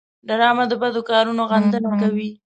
ډرامه د بدو کارونو غندنه کوي